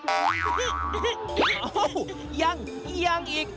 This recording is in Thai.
โอ้โหยังยังอีก